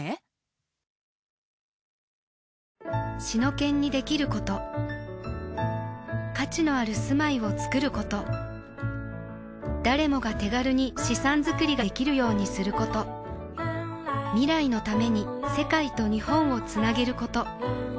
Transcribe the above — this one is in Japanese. シノケンにできること価値のある住まいをつくること誰もが手軽に資産づくりができるようにすること未来のために世界と日本をつなげること